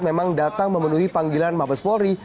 memang datang memenuhi panggilan mabes polri